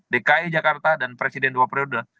dki jakarta dan presiden dua periode